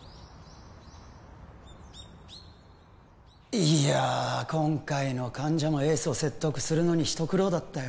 いや今回の患者もエースを説得するのに一苦労だったよ